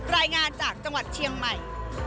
รายงานจากจังหวัดเชียงใหม่